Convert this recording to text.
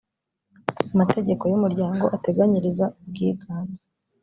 mategeko y umuryango ateganyiriza ubwiganze